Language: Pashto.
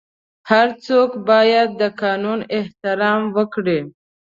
هر څوک باید د قانون احترام وکړي.